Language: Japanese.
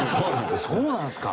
そうなんですか？